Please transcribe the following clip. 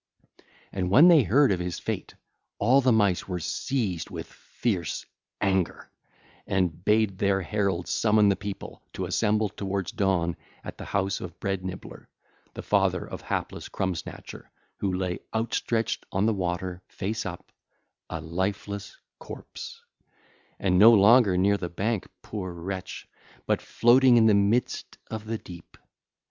And when they heard of his fate, all the Mice were seized with fierce anger, and bade their heralds summon the people to assemble towards dawn at the house of Bread nibbler, the father of hapless Crumb snatcher who lay outstretched on the water face up, a lifeless corpse, and no longer near the bank, poor wretch, but floating in the midst of the deep.